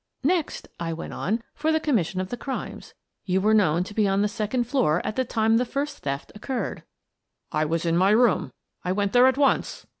" Next," I went on, " for the commission of the crimes : You were known to be on the second floor at the time the first theft occurred." " I was in my room. I went there at once."